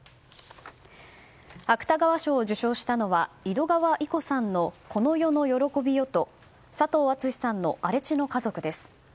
芥川賞を受賞したのは井戸川射子さんの「この世の喜びよ」と佐藤厚志の「荒地の家族」です。